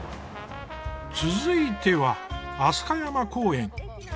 続いては飛鳥山公園。